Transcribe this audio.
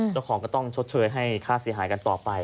ก็ต้องชดเชยให้ค่าเสียหายกันต่อไป